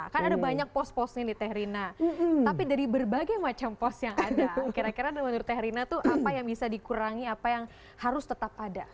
kan ada banyak pos posnya nih teh rina tapi dari berbagai macam pos yang ada kira kira menurut teh rina tuh apa yang bisa dikurangi apa yang harus tetap ada